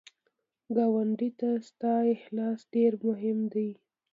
ګاونډي ته ستا اخلاص ډېر مهم دی